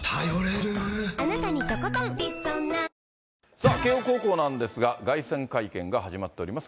さあ、慶応高校なんですが、凱旋会見が始まっております。